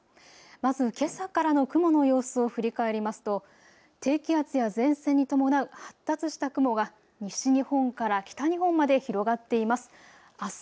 まず、けさからの雲の様子を振り返りますと発達した雲が西日本から北日本まで広がっています。